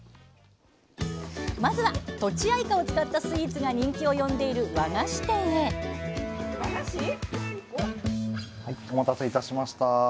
まずはとちあいかを使ったスイーツが人気を呼んでいる和菓子店へはいお待たせいたしました。